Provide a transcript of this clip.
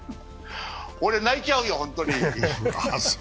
俺、泣いちゃうよ、本当に。